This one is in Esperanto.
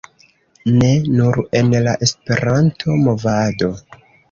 ... ne nur en la Esperanto-movado